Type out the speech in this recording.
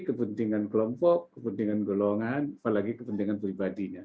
kepentingan kelompok kepentingan golongan apalagi kepentingan pribadinya